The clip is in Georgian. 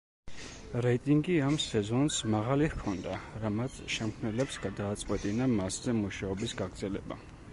რეიტინგი ამ სეზონს მაღალი ჰქონდა, რამაც შემქმნელებს გადააწყვეტინა მასზე მუშაობის გაგრძელება.